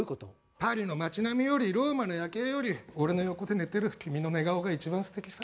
パリの町並みよりローマの夜景より俺の横で寝てる君の寝顔が一番すてきさ。